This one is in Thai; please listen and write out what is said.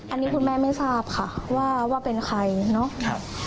อันนี้คุณแม่ไม่ทราบค่ะว่าเป็นใครเนาะ